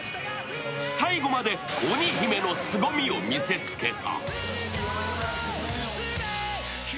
最後まで鬼姫のすごみを見せつけた。